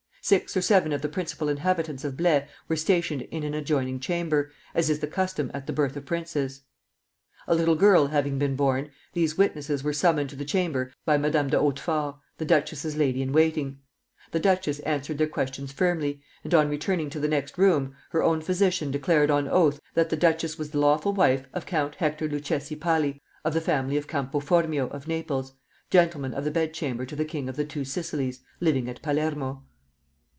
Six or seven of the principal inhabitants of Blaye were stationed in an adjoining chamber, as is the custom at the birth of princes. A little girl having been born, these witnesses were summoned to the chamber by Madame de Hautfort, the duchess's lady in waiting. The duchess answered their questions firmly, and on returning to the next room, her own physician declared on oath that the duchess was the lawful wife of Count Hector Luchesi Palli, of the family of Campo Formio, of Naples, gentleman of the bedchamber to the king of the Two Sicilies, living at Palermo.